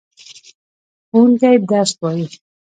ښوونکی درس وايي.